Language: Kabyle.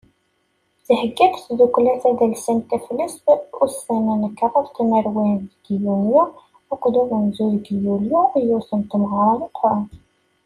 Thegga-d tddukkla tadelsant «Taflest», ussan n kraḍ tmerwin deg yunyu akked umenzu deg yulyu, yiwet n temlilit meqqren.